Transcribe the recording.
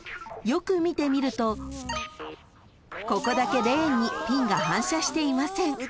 ［よく見てみるとここだけレーンにピンが反射していません］